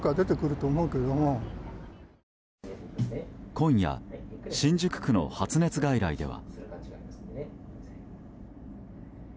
今夜、新宿区の発熱外来では。